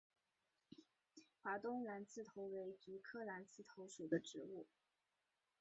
华东蓝刺头为菊科蓝刺头属的植物。